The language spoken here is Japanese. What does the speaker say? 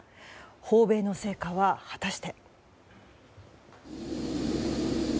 訪米の成果は果たして。